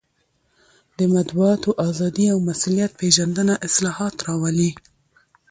د مطبوعاتو ازادي او مسوولیت پېژندنه اصلاحات راولي.